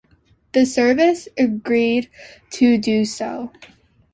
The services agreed to do so.